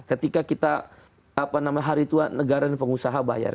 ketika kita hari tua negara dan pengusaha bayar